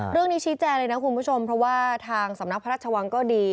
ชี้แจงเลยนะคุณผู้ชมเพราะว่าทางสำนักพระราชวังก็ดี